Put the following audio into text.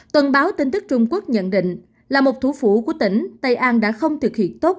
tuần báo tin tức trung quốc nhận định là một thủ phủ của tỉnh tây an đã không thực hiện tốt